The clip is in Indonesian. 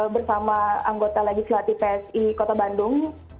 bersama anggota legislatif psi kota bandung